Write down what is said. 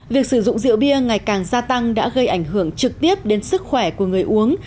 việc sử dụng rượu bia ngày càng gia tăng đã gây ảnh hưởng trực tiếp đến sức khỏe của người uống